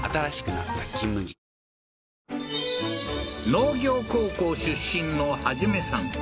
農業高校出身の一さん